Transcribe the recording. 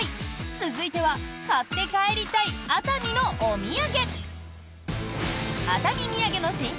続いては買って帰りたい熱海のお土産！